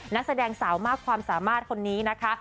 นักแสดงสาวมากความสามารถคนนี้นะคะ